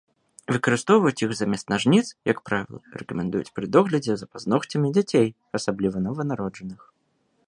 Выкарыстоўваць іх замест нажніц, як правіла, рэкамендуюць пры доглядзе за пазногцямі дзяцей, асабліва нованароджаных.